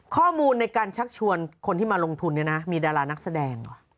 ข้อมูลในการชักชวนคนที่มาลงทุนเนี่ยนะมีดารานักแสดง